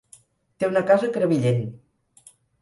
Té una casa a Crevillent.